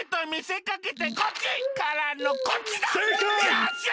よっしゃ！